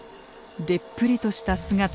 でっぷりとした姿。